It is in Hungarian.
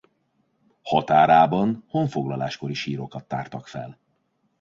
Határában honfoglalás kori sírokat tártak fel.